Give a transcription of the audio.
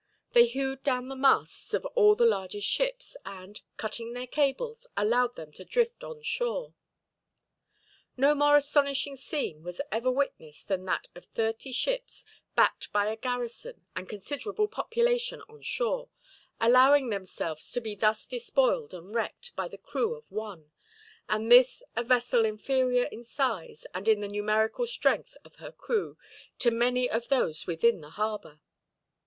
They hewed down the masts of all the largest ships and, cutting their cables, allowed them to drift on shore. No more astonishing scene was ever witnessed than that of thirty ships, backed by a garrison and considerable population on shore, allowing themselves to be thus despoiled and wrecked by the crew of one; and this a vessel inferior in size, and in the numerical strength of her crew, to many of those within the harbor.